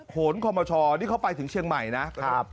โหนคอมชนี่เขาไปถึงเชียงใหม่นะครับ